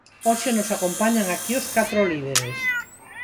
Hoxe nos acompañan aquí os catro líderes.